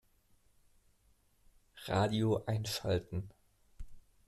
Radio einschalten.